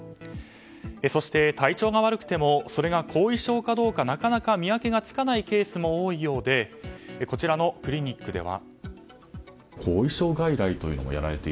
そして、体調が悪くてもそれが後遺症かどうかなかなか見分けがつかないケースも多いようでこちらのクリニックでは。